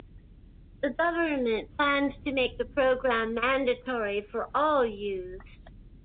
The government plans to make the program mandatory for all youths.